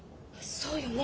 そうよね。